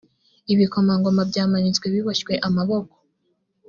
ibikomangoma byamanitswe biboshywe ukuboko